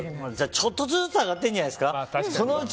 ちょっとずつ上がってるんじゃないですか？